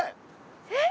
えっ？